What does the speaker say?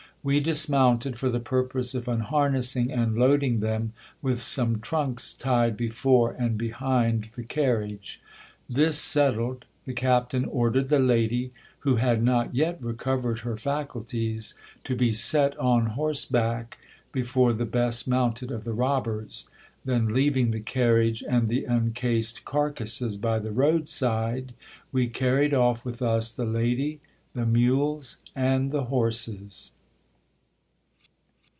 We dismounted for the purpose of unharnessing and loading them with some trunks tied before and behind the carriage. This settled, the captain ordered the lady, who had not yet recovered her faculties, to be set on horseback before the best mounted of the robbers ; then, leaving the carriage and the uncased carcases by the road side, we carried off with us the lady, the mules, and the horses.